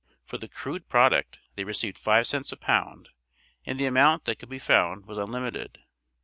For the crude product, they received five cents a pound and the amount that could be found was unlimited.